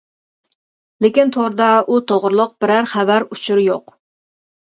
لېكىن توردا ئۇ توغرىلىق بىرەر خەۋەر-ئۇچۇر يوق.